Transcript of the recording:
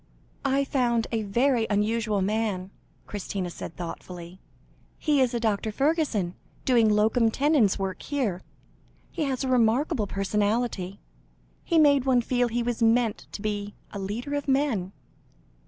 "I found a very unusual man," Christina said thoughtfully; "he is a Dr. Fergusson, doing locum tenens work here. He has a remarkable personality; he made one feel he was meant to be a leader of men."